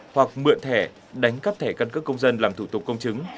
hoặc mượn thẻ đánh cắp thẻ căn cước công dân làm thủ tục công chứng